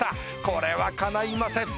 これはかないません